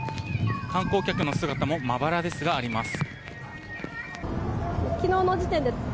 観光客の姿もまばらですがあります。